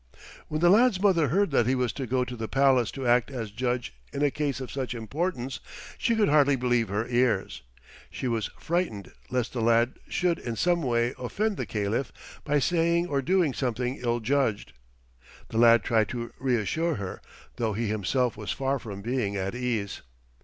When the lad's mother heard that he was to go to the palace to act as judge in a case of such importance she could hardly believe her ears. She was frightened lest the lad should in some way offend the Caliph by saying or doing something ill judged. The lad tried to reassure her, though he himself was far from being at ease.